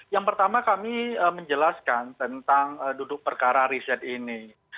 yang pertama kami menjelaskan tentang duduk perkara riset ini